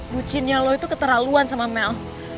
lucinnya lo itu keterlaluan sama mel